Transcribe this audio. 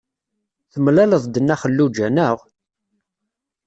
Temlaleḍ-d Nna Xelluǧa, naɣ?